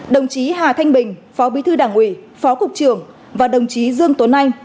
đồng chí hà thanh bình phó bí thư đảng ủy phó cục trường và đồng chí dương tốn anh